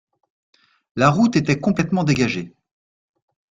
La route était complètement dégagée.